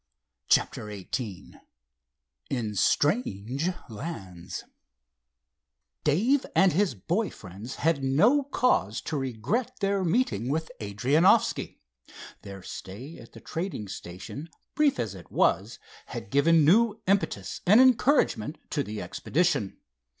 CHAPTER XVIII IN STRANGE LANDS Dave and his boy friends had no cause to regret their meeting with Adrianoffski. Their stay at the trading station, brief as it was, had given new impetus and encouragement to the expedition.